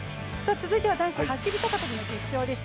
続いては男子走高跳の決勝です。